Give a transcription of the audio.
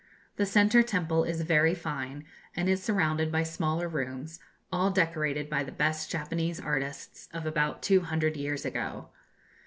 The centre temple is very fine, and is surrounded by smaller rooms, all decorated by the best Japanese artists of about two hundred years ago.